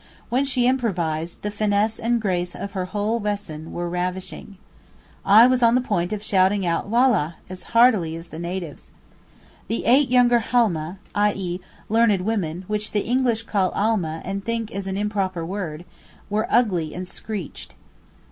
When she improvised, the finesse and grace of her whole Wesen were ravishing. I was on the point of shouting out 'Wallah!' as heartily as the natives. The eight younger Halmeh (i.e., learned women, which the English call Almeh and think is an improper word) were ugly and screeched.